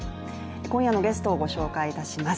今夜のゲストをご紹介いたします。